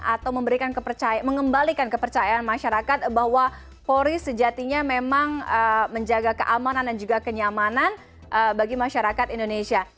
atau mengembalikan kepercayaan masyarakat bahwa polri sejatinya memang menjaga keamanan dan juga kenyamanan bagi masyarakat indonesia